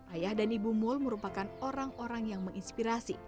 ayah dan ibu mul merupakan orang orang yang menginspirasi